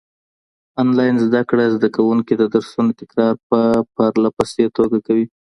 انلاين زده کړه زده کوونکي د درسونو تکرار په پرله پسې توګه کوي.